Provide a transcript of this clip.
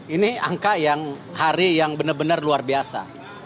ini angka yang hari yang benar benar luar biasa